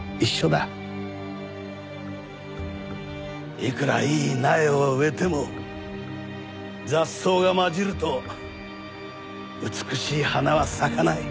いくらいい苗を植えても雑草が交じると美しい花は咲かない。